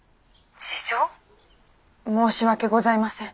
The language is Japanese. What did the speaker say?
申し訳ございません。